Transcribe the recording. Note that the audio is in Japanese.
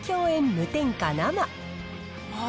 無添加生。